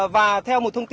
và theo một thông tin